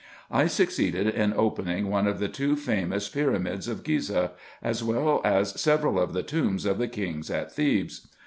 I succeeded in opening one of the two famous Pyra PREFACE. ix mids of Ghizeh, as well as several of the tombs of the Kings at Thebes.